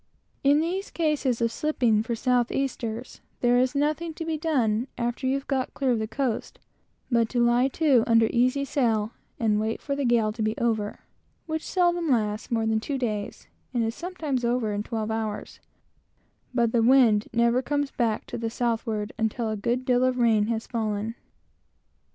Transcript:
In those cases of slipping for south easters, there is nothing to be done, after you have got clear of the coast, but to lie to under easy sail, and wait for the gale to be over, which seldom lasts more than two days, and is often over in twelve hours; but the wind never comes back to the southward until there has been a good deal of rain fallen.